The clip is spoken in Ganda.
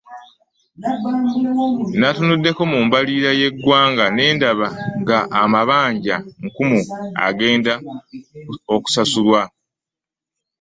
Nnatunuddeko mu mbalirira y'eggwanga ne ndaba ng'amabanja nkumu agenda okusasulwa